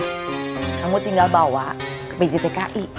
kamu tinggal bawa ke pjtki